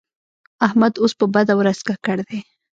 احمد اوس په بده ورځ ککړ دی.